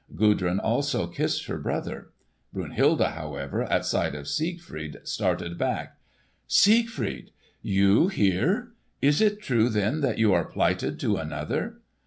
Gudrun also had kissed her brother. Brunhilde, however, at sight of Siegfried started back. "Siegfried! You here? Is it true then that you are plighted to another?"